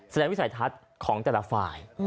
วิสัยทัศน์ของแต่ละฝ่าย